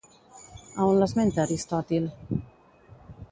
A on l'esmenta Aristòtil?